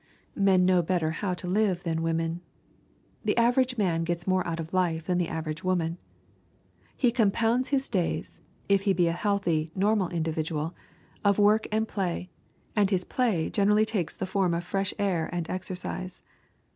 Men know better how to live than women. The average man gets more out of life than the average woman. He compounds his days, if he be a healthy, normal individual, of work and play, and his play generally takes the form of fresh air and exercise.